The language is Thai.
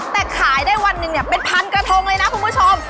แต่ขายได้วันหนึ่งเนี่ยเป็นพันกระทงเลยนะคุณผู้ชม